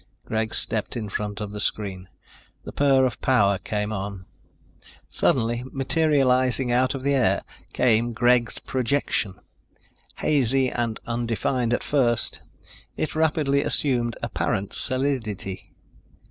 Greg stepped in front of the screen. The purr of power came on. Suddenly, materializing out of the air, came Greg's projection. Hazy and undefined at first, it rapidly assumed apparent solidity.